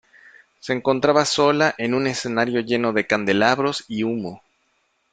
Se encontraba sola en un escenario lleno de candelabros y humo.